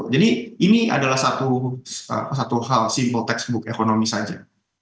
jadi ini adalah satu hal simpel textbook ekonomi saja